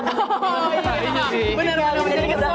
oh iya sih bener bener akan jadi gebrakan